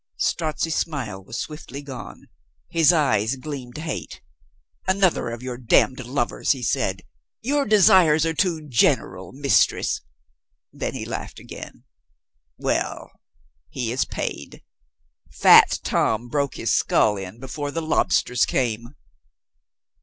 Strozzi's smile was swiftly gone. His eyes gleamed hate. "Another of your damned lovers!" he s,aid. "Your desires are too general, mistress." Then he laughed again. "Well, he is paid. Fat Tom broke his skull in before the lobsters came."